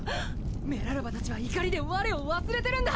メラルバたちは怒りで我を忘れてるんだ。